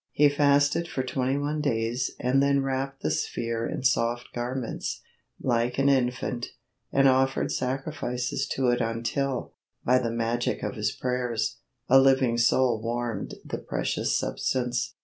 He fasted for twenty one days and then wrapped the sphere in soft garments, like an infant, and offered sacrifices to it until, by the magic of his prayers, "a living soul warmed the precious substance."